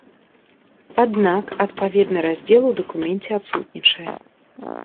Аднак адпаведны раздзел у дакуменце адсутнічае.